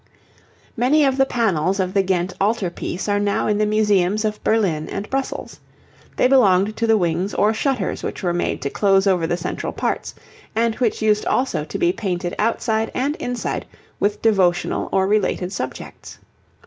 Many of the panels of the Ghent altar piece are now in the Museums of Berlin and Brussels. They belonged to the wings or shutters which were made to close over the central parts, and which used also to be painted outside and inside with devotional or related subjects.